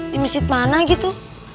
di masjid mana gitu